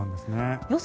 予想